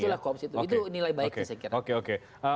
itulah koops itu itu nilai baiknya saya kira